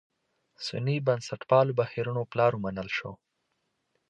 سني بنسټپالو بهیرونو پلار ومنل شو.